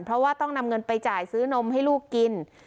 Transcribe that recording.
เพราะว่าต้องนำเงินไปจ่ายซื้อนมให้ลูกกิน